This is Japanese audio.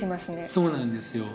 そうなんですよ。